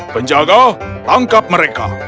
penjaga tangkap mereka